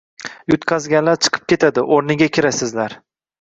Yutqazganlar chiqib ketadi, o‘rniga kirasizlar